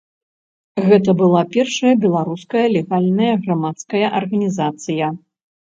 Гэта была першая беларуская легальная грамадская арганізацыя.